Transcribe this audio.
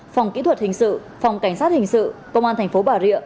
phòng kỹ thuật hình sự phòng cảnh sát hình sự công an thành phố bà rịa